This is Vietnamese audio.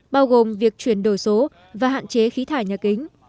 bao gồm việc chuyển đổi số và hạn chế khí thải nhà kính